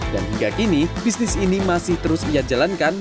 dan hingga kini bisnis ini masih terus ia jalankan